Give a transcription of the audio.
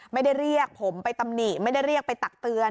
ไม่ได้เรียกผมไปตำหนิไม่ได้เรียกไปตักเตือน